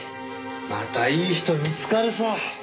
またいい人見つかるさ！